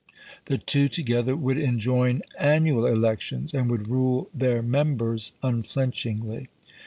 The two together would enjoin annual elections, and would rule their members unflinchingly.